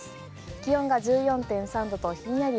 気温が１４．３度とひんやり。